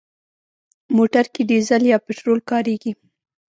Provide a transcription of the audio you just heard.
موټر کې ډيزل یا پټرول کارېږي.